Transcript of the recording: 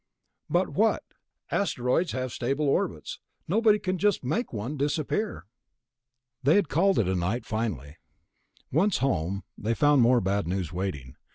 "But what? Asteroids have stable orbits. Nobody can just make one disappear...." They had called it a night, finally. Once home they found more bad news waiting.